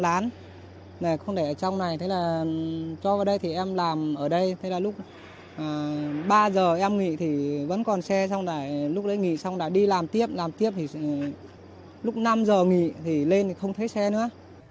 lúc em nghỉ thì vẫn còn xe lúc đấy nghỉ xong đã đi làm tiếp làm tiếp thì lúc năm giờ nghỉ thì lên thì không thấy xe nữa